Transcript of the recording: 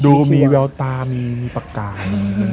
ดูมีแววตามีประกาศ